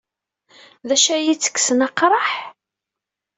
D acu ay ittekksen aqraḥ?